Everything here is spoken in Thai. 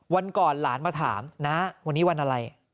วันก่อนหลานมาถามน้าวันนี้วันอะไร